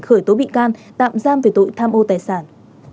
khởi tố bị can tạm giam về tội tham ô tài sản